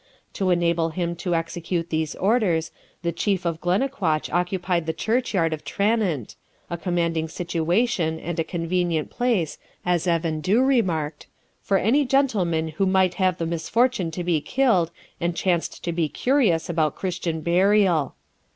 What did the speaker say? To enable him to execute these orders, the Chief of Glennaquoich occupied the church yard of Tranent, a commanding situation, and a convenient place, as Evan Dhu remarked, 'for any gentleman who might have the misfortune to be killed, and chanced to be curious about Christian burial.'